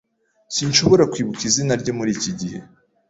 Sinshobora kwibuka izina rye muri iki gihe.